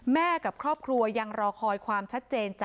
กับครอบครัวยังรอคอยความชัดเจนจาก